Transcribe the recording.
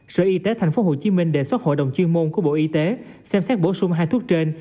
sở y tế tp hcm đề xuất hội đồng chuyên môn của bộ y tế xem xét bổ sung hai thuốc trên